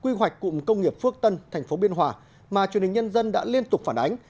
quy hoạch cụm công nghiệp phước tân thành phố biên hòa mà truyền hình nhân dân đã liên tục phản ánh